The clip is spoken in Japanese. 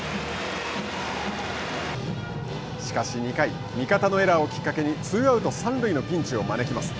しかし２回味方のエラーをきっかけにツーアウト、三塁のピンチを招きます。